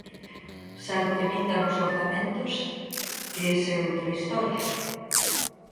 Salvo que mintan os orzamentos, que esa é outra historia.